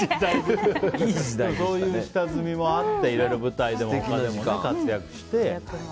そういう下積みもあっていろいろ舞台でも他でも活躍して。